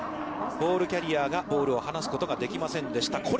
ボールキャリアがボールを離すことができませんでした。